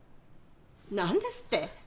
何ですって？